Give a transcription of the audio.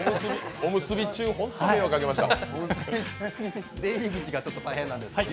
おむすび中、本当に迷惑かけました。